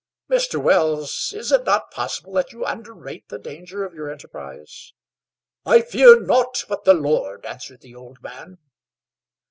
"Mr. Wells, is it not possible that you underrate the danger of your enterprise?" "I fear naught but the Lord," answered the old man.